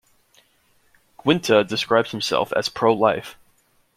Guinta describes himself as pro-life.